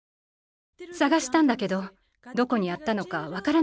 さがしたんだけどどこにやったのかわからなくなったの。